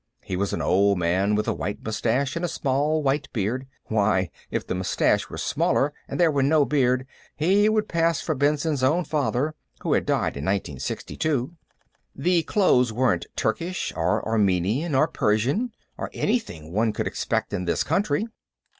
He was an old man, with a white mustache and a small white beard why, if the mustache were smaller and there were no beard, he would pass for Benson's own father, who had died in 1962. The clothes weren't Turkish or Armenian or Persian, or anything one would expect in this country.